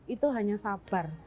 itu hanya sabar